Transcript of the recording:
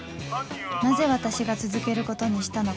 なぜ私が続けることにしたのか？